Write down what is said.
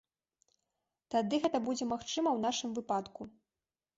Тады гэта будзе магчыма ў нашым выпадку.